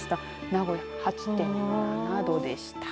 名古屋８．７度でした。